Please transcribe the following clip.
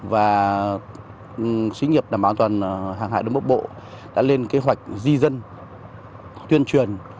và sĩ nghiệp đảm bảo an toàn hàng hải đối mốc bộ đã lên kế hoạch di dân tuyên truyền